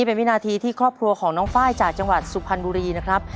เป็นวินาทีที่ครอบครัวของน้องไฟล์จากจังหวัดสุพรรณบุรีนะครับ